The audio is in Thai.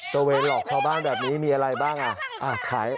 เจ้าเวรหลอกเขาบ้างแบบนี้มีอะไรบ้างอ่ะ